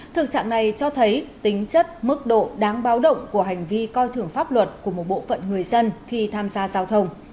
thực trạng này cho thấy tính chất mức độ đáng báo động của hành vi coi thường pháp luật của một bộ phận người dân khi tham gia giao thông